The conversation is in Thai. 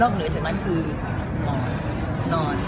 นอกเหนือจากนั้นคือนอนนอน